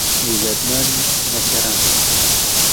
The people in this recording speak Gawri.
عیزتمند مشراۤن